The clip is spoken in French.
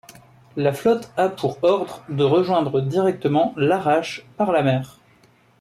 La flotte a pour ordre de rejoindre directement Larache par la mer.